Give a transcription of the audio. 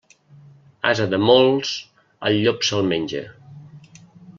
Ase de molts, el llop se'l menja.